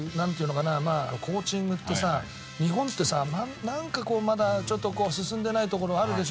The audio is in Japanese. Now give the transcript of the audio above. コーチングってさ日本ってさなんかこうまだちょっと進んでないところあるでしょ？